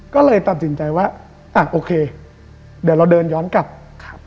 ก็เลยตัดสินใจว่าอ่ะโอเคเดี๋ยวเราเดินย้อนกลับครับ